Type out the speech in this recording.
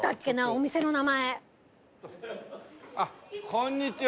こんにちは。